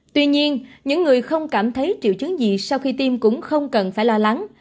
tuy nhiên những người không cảm thấy triệu chứng gì sau khi tiêm cũng không cần phải lo lắng